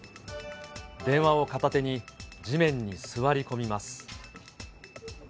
電話を片手に、地面に座り込みます。